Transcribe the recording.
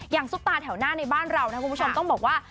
ซุปตาแถวหน้าในบ้านเรานะคุณผู้ชมต้องบอกว่า